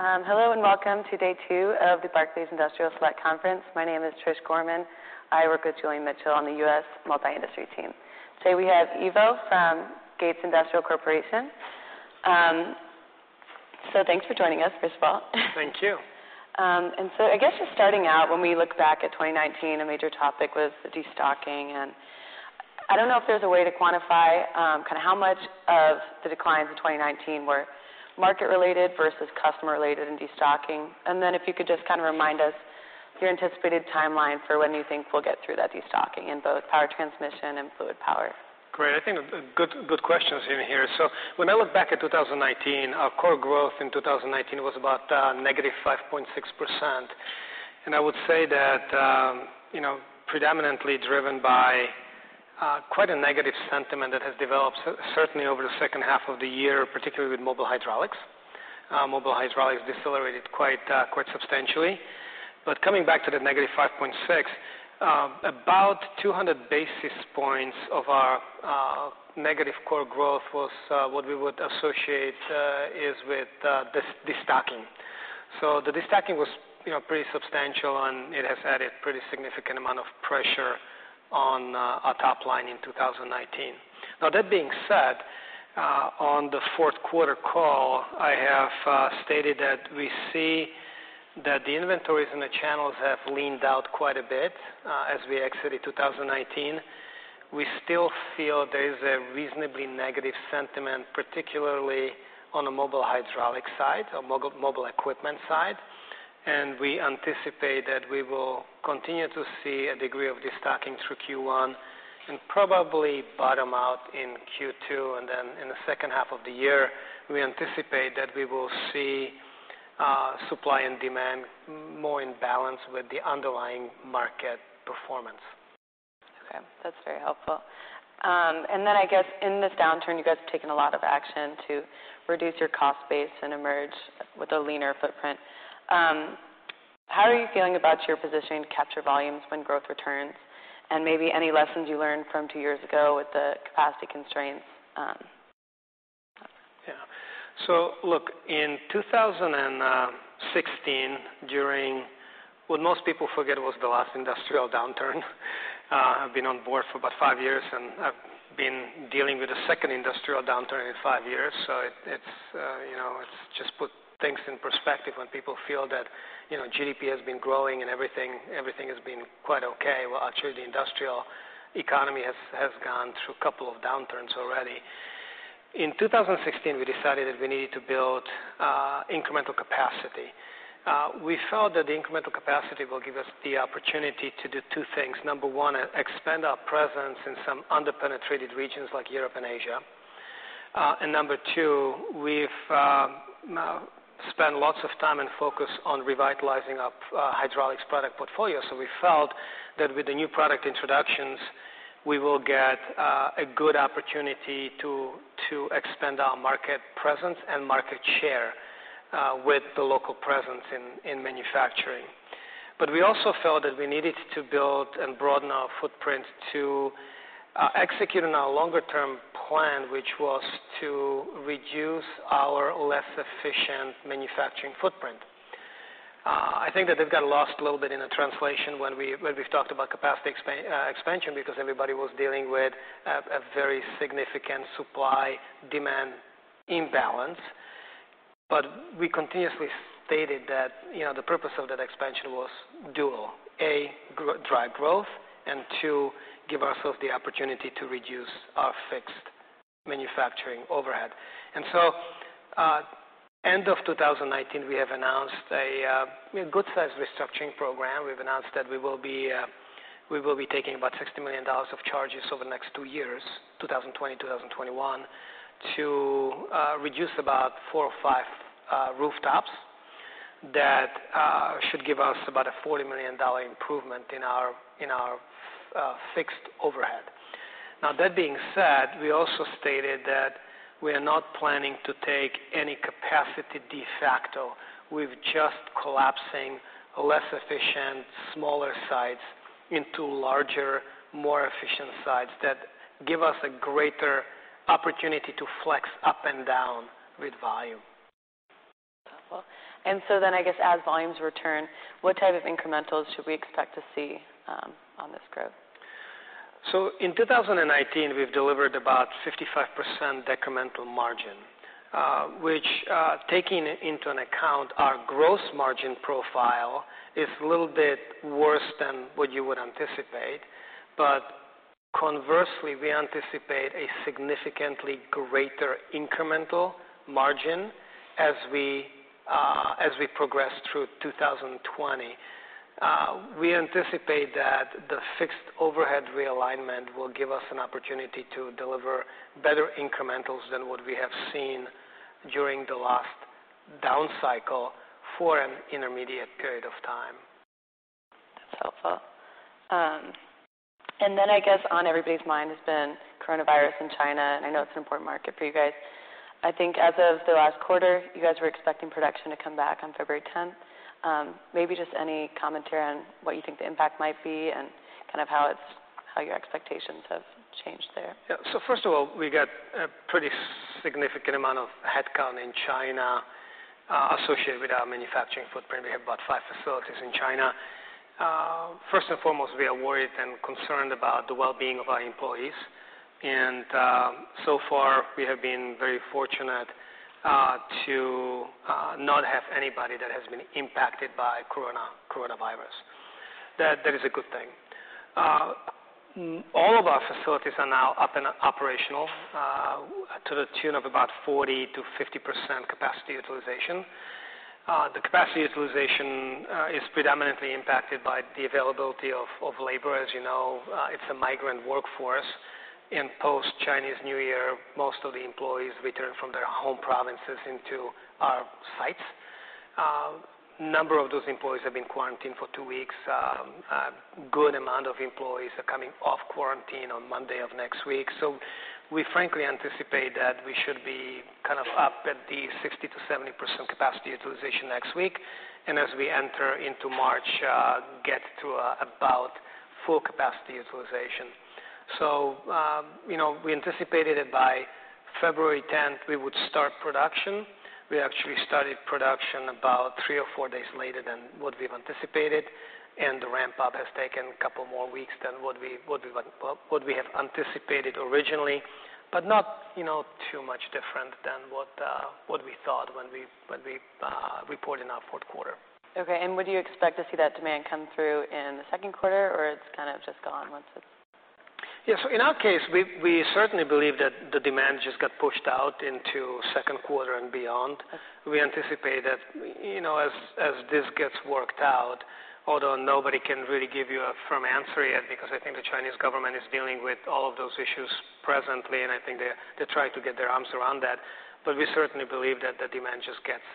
Hello and welcome to Day 2 of the Barclays Industrial Select Conference. My name is Trish Gorman. I work with Julian Mitchell on the U.S. Multi-Industry Team. Today we have Ivo from Gates Industrial Corporation. Thanks for joining us, first of all. Thank you. I guess just starting out, when we look back at 2019, a major topic was the destocking. I do not know if there is a way to quantify kind of how much of the declines in 2019 were market-related versus customer-related in destocking. If you could just kind of remind us your anticipated timeline for when you think we will get through that destocking in both Power Transmission and Fluid Power. Great. I think good questions in here. When I look back at 2019, our core growth in 2019 was about negative 5.6%. I would say that predominantly driven by quite a negative sentiment that has developed certainly over the second half of the year, particularly with mobile hydraulics. Mobile hydraulics decelerated quite substantially. Coming back to that negative 5.6%, about 200 basis points of our negative core growth was what we would associate with destocking. The destocking was pretty substantial, and it has added a pretty significant amount of pressure on our top line in 2019. That being said, on the fourth quarter call, I have stated that we see that the inventories and the channels have leaned out quite a bit as we exited 2019. We still feel there is a reasonably negative sentiment, particularly on the mobile hydraulic side or mobile equipment side. We anticipate that we will continue to see a degree of destocking through Q1 and probably bottom out in Q2. In the second half of the year, we anticipate that we will see supply and demand more in balance with the underlying market performance. Okay. That's very helpful. I guess in this downturn, you guys have taken a lot of action to reduce your cost base and emerge with a leaner footprint. How are you feeling about your positioning to capture volumes when growth returns? Maybe any lessons you learned from two years ago with the capacity constraints? Yeah. Look, in 2016, what most people forget was the last industrial downturn. I've been on board for about five years, and I've been dealing with a second industrial downturn in five years. It just puts things in perspective when people feel that GDP has been growing and everything has been quite okay. Actually, the industrial economy has gone through a couple of downturns already. In 2016, we decided that we needed to build incremental capacity. We felt that the incremental capacity will give us the opportunity to do two things. Number one, expand our presence in some under-penetrated regions like Europe and Asia. Number two, we've spent lots of time and focus on revitalizing our hydraulics product portfolio. We felt that with the new product introductions, we will get a good opportunity to expand our market presence and market share with the local presence in manufacturing. We also felt that we needed to build and broaden our footprint to execute on our longer-term plan, which was to reduce our less efficient manufacturing footprint. I think that they've gotten lost a little bit in the translation when we've talked about capacity expansion because everybody was dealing with a very significant supply-demand imbalance. We continuously stated that the purpose of that expansion was dual: A, drive growth, and two, give ourselves the opportunity to reduce our fixed manufacturing overhead. End of 2019, we have announced a good-sized restructuring program. We've announced that we will be taking about $60 million of charges over the next two years, 2020-2021, to reduce about four or five rooftops that should give us about a $40 million improvement in our fixed overhead. Now, that being said, we also stated that we are not planning to take any capacity de facto. We're just collapsing less efficient, smaller sites into larger, more efficient sites that give us a greater opportunity to flex up and down with volume. I guess as volumes return, what type of incrementals should we expect to see on this growth? In 2019, we've delivered about 55% decremental margin, which, taking into account our gross margin profile, is a little bit worse than what you would anticipate. Conversely, we anticipate a significantly greater incremental margin as we progress through 2020. We anticipate that the fixed overhead realignment will give us an opportunity to deliver better incrementals than what we have seen during the last down cycle for an intermediate period of time. That's helpful. I guess on everybody's mind has been coronavirus in China. I know it's an important market for you guys. I think as of the last quarter, you guys were expecting production to come back on February 10. Maybe just any commentary on what you think the impact might be and kind of how your expectations have changed there. Yeah. First of all, we got a pretty significant amount of headcount in China associated with our manufacturing footprint. We have about five facilities in China. First and foremost, we are worried and concerned about the well-being of our employees. So far, we have been very fortunate to not have anybody that has been impacted by coronavirus. That is a good thing. All of our facilities are now up and operational to the tune of about 40%-50% capacity utilization. The capacity utilization is predominantly impacted by the availability of labor. As you know, it's a migrant workforce. In post-Chinese New Year, most of the employees returned from their home provinces into our sites. A number of those employees have been quarantined for two weeks. A good amount of employees are coming off quarantine on Monday of next week. We frankly anticipate that we should be kind of up at the 60%-70% capacity utilization next week. As we enter into March, get to about full capacity utilization. We anticipated that by February 10th, we would start production. We actually started production about three or four days later than what we've anticipated. The ramp-up has taken a couple more weeks than what we have anticipated originally, but not too much different than what we thought when we reported in our fourth quarter. Okay. Would you expect to see that demand come through in the second quarter, or is it kind of just gone once it is? Yeah. In our case, we certainly believe that the demand just got pushed out into second quarter and beyond. We anticipate that as this gets worked out, although nobody can really give you a firm answer yet because I think the Chinese government is dealing with all of those issues presently, and I think they're trying to get their arms around that. We certainly believe that the demand just gets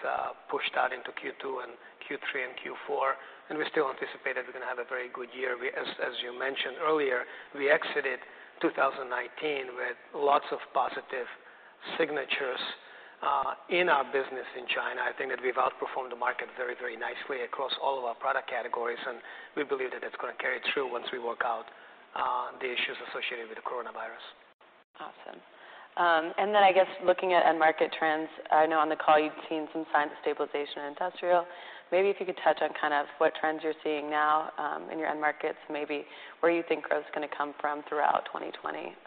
pushed out into Q2 and Q3 and Q4. We still anticipate that we're going to have a very good year. As you mentioned earlier, we exited 2019 with lots of positive signatures in our business in China. I think that we've outperformed the market very, very nicely across all of our product categories. We believe that that's going to carry through once we work out the issues associated with the coronavirus. Awesome. I guess looking at end market trends, I know on the call you'd seen some signs of stabilization in industrial. Maybe if you could touch on kind of what trends you're seeing now in your end markets, maybe where you think growth is going to come from throughout 2020.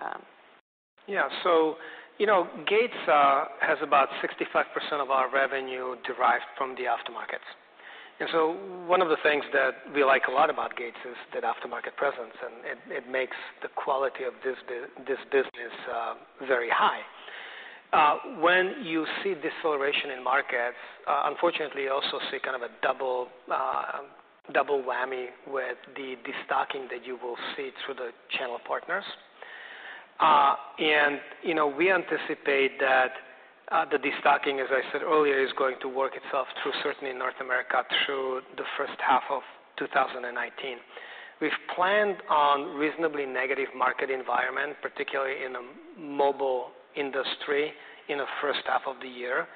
Yeah. Gates has about 65% of our revenue derived from the aftermarkets. One of the things that we like a lot about Gates is that aftermarket presence. It makes the quality of this business very high. When you see deceleration in markets, unfortunately, you also see kind of a double whammy with the destocking that you will see through the channel partners. We anticipate that the destocking, as I said earlier, is going to work itself through certainly North America through the first half of 2019. We've planned on a reasonably negative market environment, particularly in the mobile industry in the first half of the year.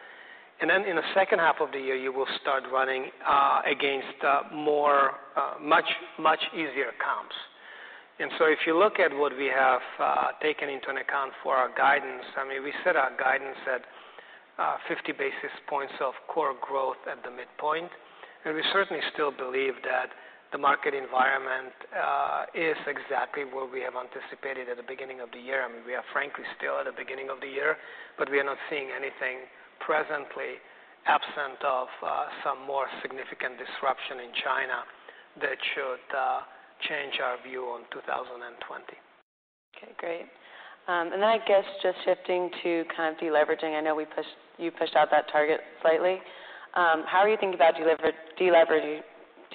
In the second half of the year, you will start running against much easier comps. If you look at what we have taken into account for our guidance, I mean, we set our guidance at 50 basis points of core growth at the midpoint. We certainly still believe that the market environment is exactly what we have anticipated at the beginning of the year. I mean, we are frankly still at the beginning of the year, but we are not seeing anything presently absent of some more significant disruption in China that should change our view on 2020. Okay. Great. I guess just shifting to kind of deleveraging. I know you pushed out that target slightly. How are you thinking about deleveraging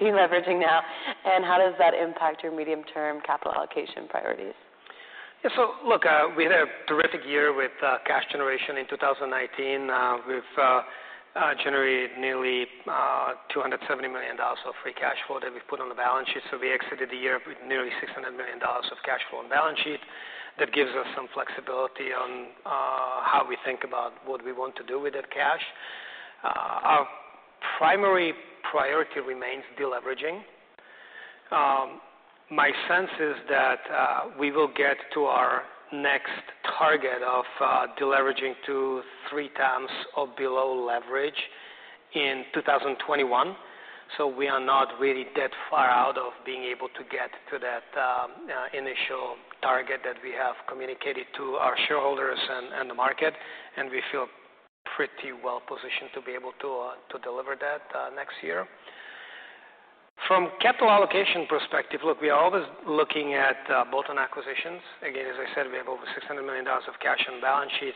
now? How does that impact your medium-term capital allocation priorities? Yeah. Look, we had a terrific year with cash generation in 2019. We generated nearly $270 million of free cash flow that we put on the balance sheet. We exited the year with nearly $600 million of cash flow on the balance sheet. That gives us some flexibility on how we think about what we want to do with that cash. Our primary priority remains deleveraging. My sense is that we will get to our next target of deleveraging to three times or below leverage in 2021. We are not really that far out of being able to get to that initial target that we have communicated to our shareholders and the market. We feel pretty well positioned to be able to deliver that next year. From a capital allocation perspective, we are always looking at bolt-on acquisitions. Again, as I said, we have over $600 million of cash on the balance sheet.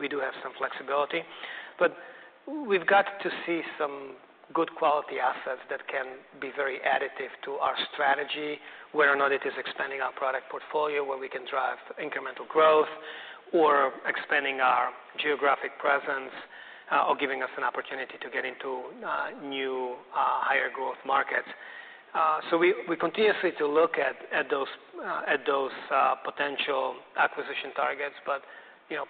We do have some flexibility. We have to see some good quality assets that can be very additive to our strategy, whether or not it is expanding our product portfolio, where we can drive incremental growth, or expanding our geographic presence, or giving us an opportunity to get into new higher growth markets. We continue to look at those potential acquisition targets.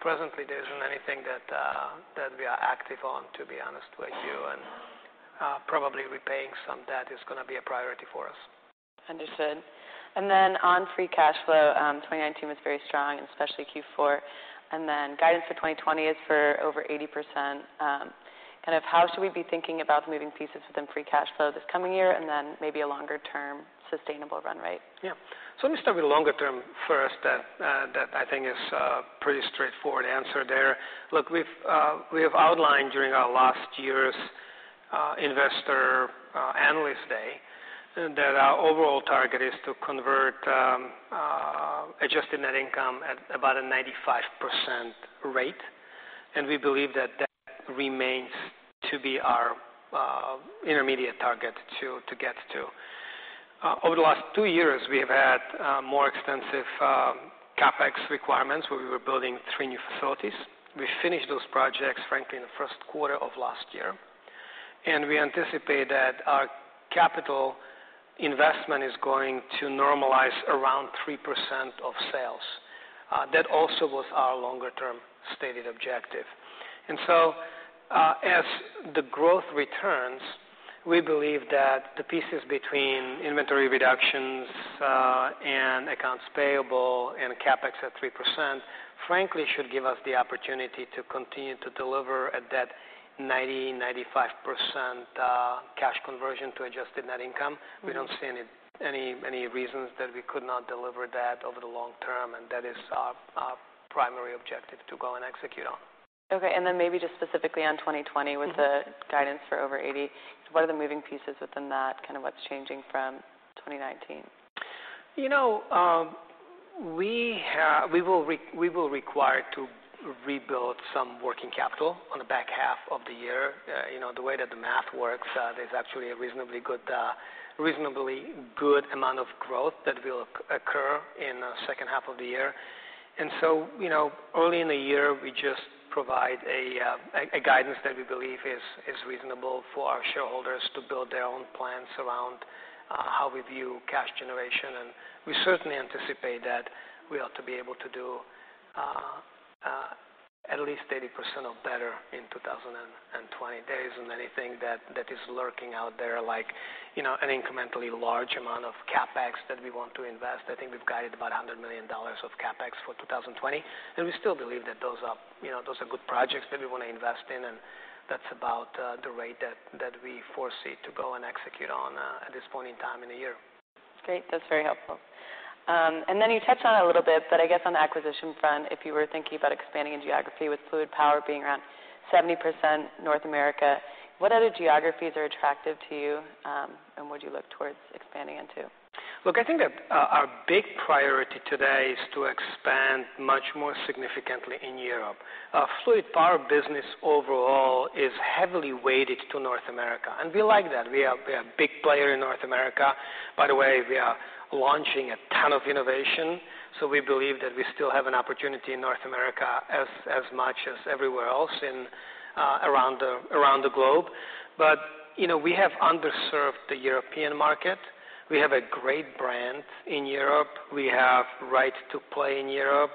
Presently, there is not anything that we are active on, to be honest with you. Probably repaying some debt is going to be a priority for us. Understood. On free cash flow, 2019 was very strong, especially Q4. Guidance for 2020 is for over 80%. Kind of how should we be thinking about moving pieces within free cash flow this coming year and then maybe a longer-term sustainable run, right? Yeah. Let me start with longer-term first, that I think is a pretty straightforward answer there. Look, we have outlined during our last year's investor analyst day that our overall target is to convert adjusted net income at about a 95% rate. We believe that that remains to be our intermediate target to get to. Over the last two years, we have had more extensive CapEx requirements where we were building three new facilities. We finished those projects, frankly, in the first quarter of last year. We anticipate that our capital investment is going to normalize around 3% of sales. That also was our longer-term stated objective. As the growth returns, we believe that the pieces between inventory reductions and accounts payable and CapEx at 3%, frankly, should give us the opportunity to continue to deliver at that 90%-95% cash conversion to adjusted net income. We do not see any reasons that we could not deliver that over the long term. That is our primary objective to go and execute on. Okay. Maybe just specifically on 2020 with the guidance for over 80, what are the moving pieces within that? Kind of what's changing from 2019? You know, we will require to rebuild some working capital on the back half of the year. The way that the math works, there's actually a reasonably good amount of growth that will occur in the second half of the year. Early in the year, we just provide a guidance that we believe is reasonable for our shareholders to build their own plans around how we view cash generation. We certainly anticipate that we ought to be able to do at least 80% or better in 2020. There isn't anything that is lurking out there like an incrementally large amount of CapEx that we want to invest. I think we've guided about $100 million of CapEx for 2020. We still believe that those are good projects that we want to invest in. That is about the rate that we foresee to go and execute on at this point in time in the year. Great. That's very helpful. You touched on it a little bit, but I guess on the acquisition front, if you were thinking about expanding in geography with Fluid Power being around 70% North America, what other geographies are attractive to you? Would you look towards expanding into those? Look, I think that our big priority today is to expand much more significantly in Europe. Fluid Power business overall is heavily weighted to North America. And we like that. We are a big player in North America. By the way, we are launching a ton of innovation. We believe that we still have an opportunity in North America as much as everywhere else around the globe. We have underserved the European market. We have a great brand in Europe. We have a right to play in Europe.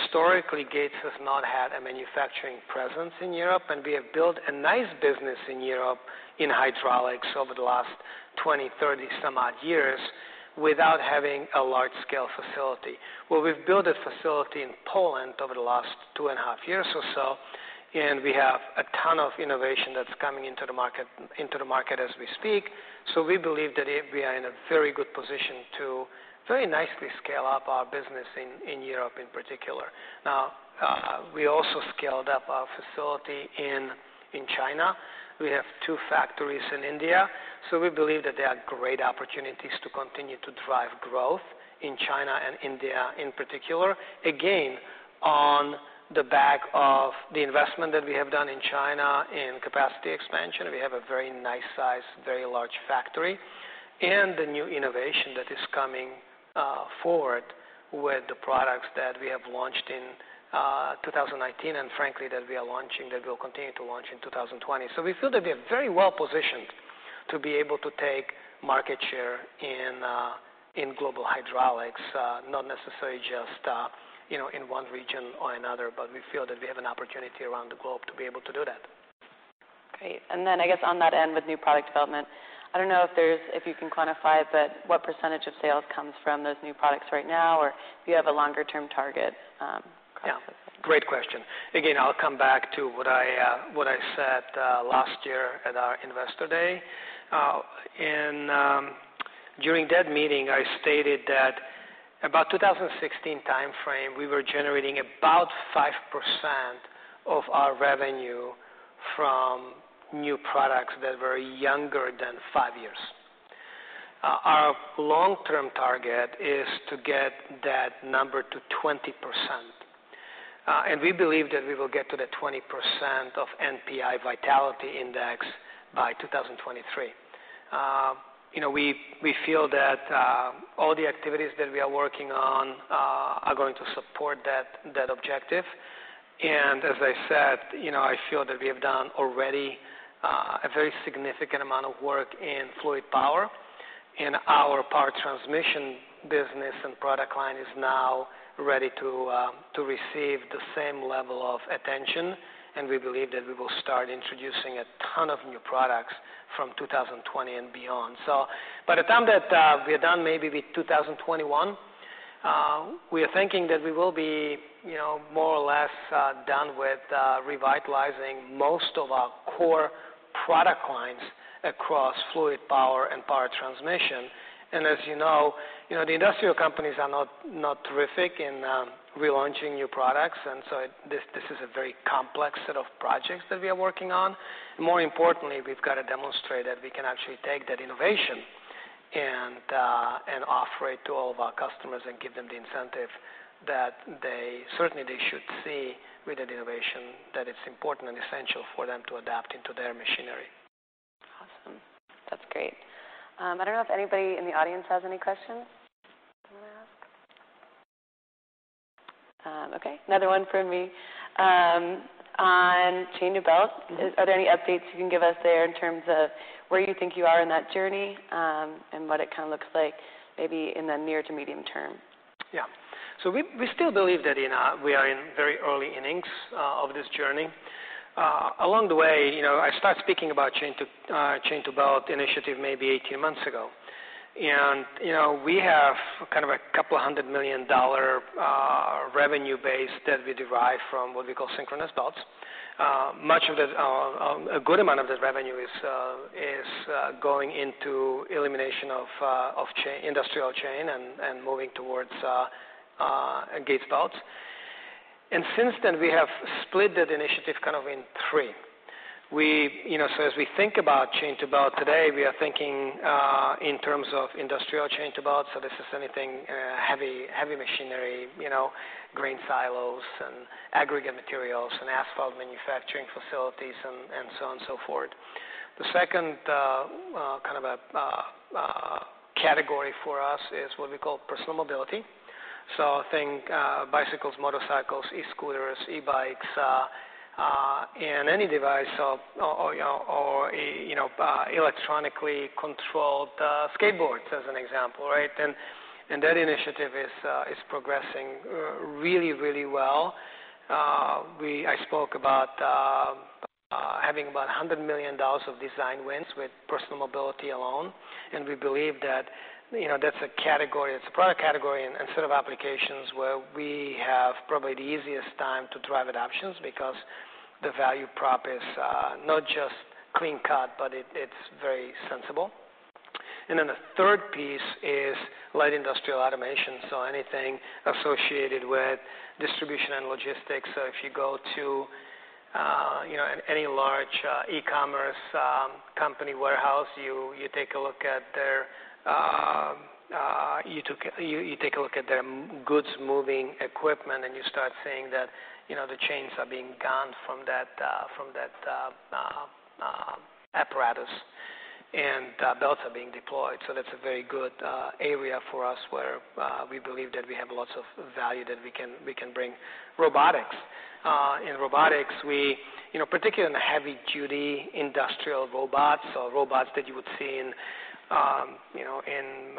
Historically, Gates has not had a manufacturing presence in Europe. We have built a nice business in Europe in hydraulics over the last 20, 30-some-odd years without having a large-scale facility. We have built a facility in Poland over the last two and a half years or so. We have a ton of innovation that's coming into the market as we speak. We believe that we are in a very good position to very nicely scale up our business in Europe in particular. We also scaled up our facility in China. We have two factories in India. We believe that there are great opportunities to continue to drive growth in China and India in particular, again, on the back of the investment that we have done in China in capacity expansion. We have a very nice-sized, very large factory. The new innovation that is coming forward with the products that we have launched in 2019 and frankly that we are launching, that we will continue to launch in 2020. We feel that we are very well positioned to be able to take market share in global hydraulics, not necessarily just in one region or another. We feel that we have an opportunity around the globe to be able to do that. Great. I guess on that end with new product development, I do not know if you can quantify it, but what percentage of sales comes from those new products right now? Do you have a longer-term target? Yeah. Great question. Again, I'll come back to what I said last year at our investor day. During that meeting, I stated that about 2016 timeframe, we were generating about 5% of our revenue from new products that were younger than five years. Our long-term target is to get that number to 20%. We believe that we will get to the 20% of NPI Vitality Index by 2023. We feel that all the activities that we are working on are going to support that objective. As I said, I feel that we have done already a very significant amount of work in Fluid Power. Our Power Transmission business and product line is now ready to receive the same level of attention. We believe that we will start introducing a ton of new products from 2020 and beyond. By the time that we are done, maybe with 2021, we are thinking that we will be more or less done with revitalizing most of our core product lines across Fluid Power and Power Transmission. As you know, the industrial companies are not terrific in relaunching new products. This is a very complex set of projects that we are working on. More importantly, we have got to demonstrate that we can actually take that innovation and offer it to all of our customers and give them the incentive that they certainly should see with that innovation, that it is important and essential for them to adapt into their machinery. Awesome. That's great. I don't know if anybody in the audience has any questions I want to ask. Okay. Another one from me. On chain and belt, are there any updates you can give us there in terms of where you think you are in that journey and what it kind of looks like maybe in the near to medium term? Yeah. We still believe that we are in very early innings of this journey. Along the way, I started speaking about Chain to Belt initiative maybe 18 months ago. We have kind of a couple of hundred million dollar revenue base that we derive from what we call synchronous belts. Much of that, a good amount of that revenue is going into elimination of industrial chain and moving towards Gates' belts. Since then, we have split that initiative kind of in three. As we think about Chain to Belt today, we are thinking in terms of industrial Chain to Belt. This is anything heavy machinery, grain silos, and aggregate materials, and asphalt manufacturing facilities, and so on and so forth. The second kind of category for us is what we call personal mobility. I think bicycles, motorcycles, e-scooters, e-bikes, and any device or electronically controlled skateboards as an example, right? That initiative is progressing really, really well. I spoke about having about $100 million of design wins with personal mobility alone. We believe that that's a category, it's a product category and set of applications where we have probably the easiest time to drive adoptions because the value prop is not just clean cut, but it's very sensible. The third piece is light industrial automation. Anything associated with distribution and logistics. If you go to any large e-commerce company warehouse, you take a look at their goods moving equipment, and you start seeing that the chains are being gone from that apparatus and belts are being deployed. That's a very good area for us where we believe that we have lots of value that we can bring robotics. In robotics, particularly in the heavy-duty industrial robots or robots that you would see in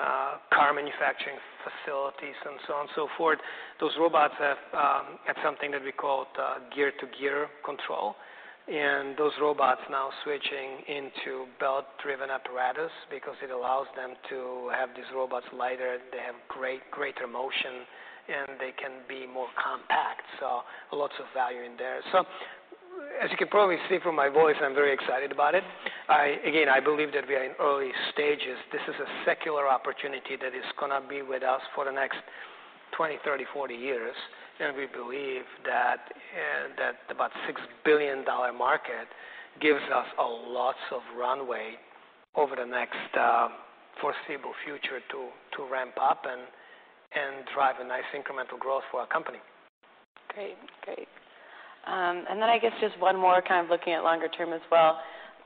car manufacturing facilities and so on and so forth, those robots have something that we call gear-to-gear control. Those robots are now switching into belt-driven apparatus because it allows them to have these robots lighter, they have greater motion, and they can be more compact. Lots of value in there. As you can probably see from my voice, I'm very excited about it. Again, I believe that we are in early stages. This is a secular opportunity that is going to be with us for the next 20, 30, 40 years. We believe that about a $6 billion market gives us a lot of runway over the next foreseeable future to ramp up and drive a nice incremental growth for our company. Great. Great. I guess just one more kind of looking at longer term as well.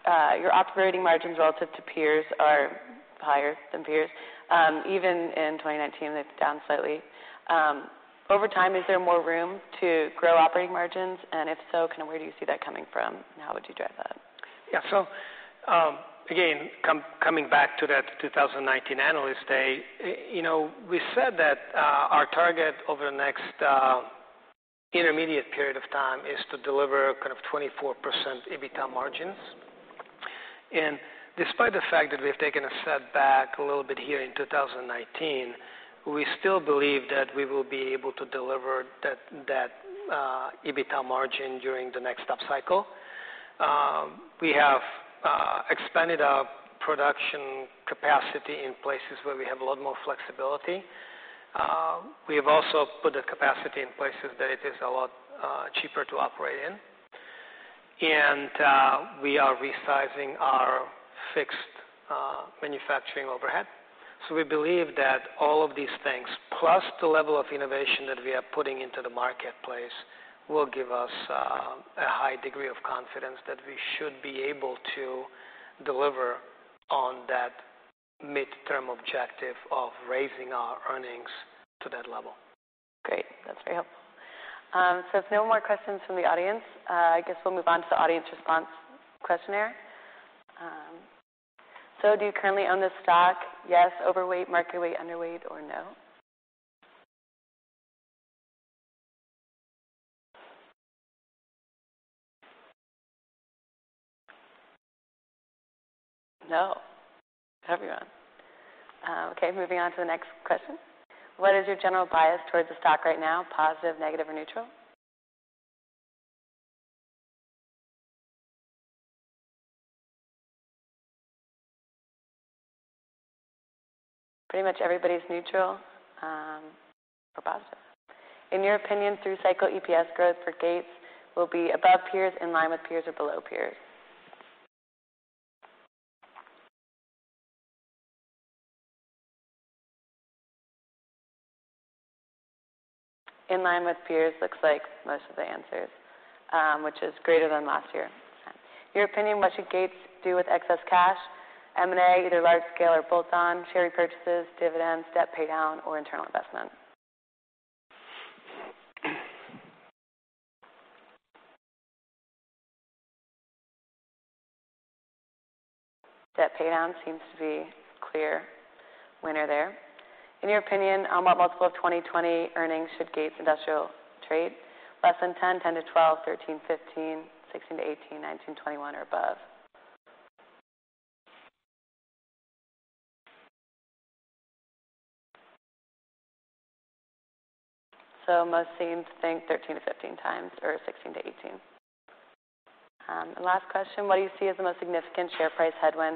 Your operating margins relative to peers are higher than peers. Even in 2019, they've down slightly. Over time, is there more room to grow operating margins? If so, kind of where do you see that coming from? How would you drive that? Yeah. Again, coming back to that 2019 analyst day, we said that our target over the next intermediate period of time is to deliver kind of 24% EBITDA margins. Despite the fact that we have taken a setback a little bit here in 2019, we still believe that we will be able to deliver that EBITDA margin during the next upcycle. We have expanded our production capacity in places where we have a lot more flexibility. We have also put the capacity in places that it is a lot cheaper to operate in. We are resizing our fixed manufacturing overhead. We believe that all of these things, plus the level of innovation that we are putting into the marketplace, will give us a high degree of confidence that we should be able to deliver on that midterm objective of raising our earnings to that level. Great. That's very helpful. If no more questions from the audience, I guess we'll move on to the audience response questionnaire. Do you currently own this stock? Yes, overweight, market weight, underweight, or no? No? Everyone? Okay. Moving on to the next question. What is your general bias towards the stock right now? Positive, negative, or neutral? Pretty much everybody's neutral or positive. In your opinion, through cycle EPS growth for Gates will be above peers, in line with peers, or below peers? In line with peers looks like most of the answers, which is greater than last year. Your opinion, what should Gates do with excess cash? M&A, either large scale or bolt-on, share repurchases, dividends, debt paydown, or internal investment? Debt paydown seems to be clear winner there. In your opinion, how about multiple of 2020 earnings should Gates Industrial trade? Less than 10, 10-12, 13-15, 16-18, 19-21, or above? Most think 13-15 times or 16-18. Last question, what do you see as the most significant share price headwind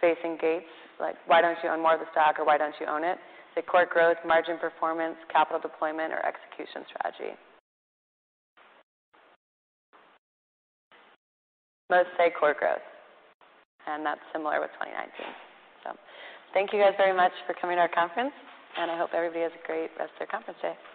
facing Gates? Why do you not own more of the stock or why do you not own it? Say core growth, margin performance, capital deployment, or execution strategy. Most say core growth. That is similar with 2019. Thank you guys very much for coming to our conference. I hope everybody has a great rest of their conference day.